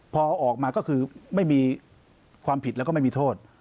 พอออกมาก็คือไม่มีความผิดแล้วก็ไม่มีโทษ